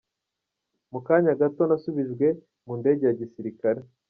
Mu kanya gato, nasubijwe mu ndege ya gisirikare.